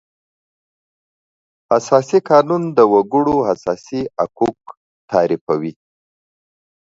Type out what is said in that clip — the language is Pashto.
اساسي قانون د وکړو اساسي حقوق تعریفوي.